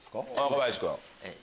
若林君。